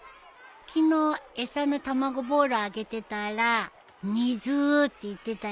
昨日餌の卵ボーロあげてたら「水」って言ってたよ。